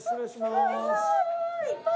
すごい！